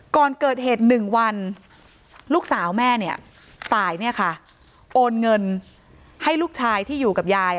ก่อนเกิดเหตุ๑วันลูกสาวแม่เนี่ยตายเนี่ยค่ะโอนเงินให้ลูกชายที่อยู่กับยาย